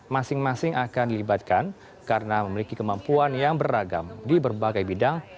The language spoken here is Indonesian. masing masing akan dilibatkan karena memiliki kemampuan yang beragam di berbagai bidang